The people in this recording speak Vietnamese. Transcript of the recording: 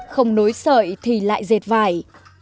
không nối sợi thì lại dệt vải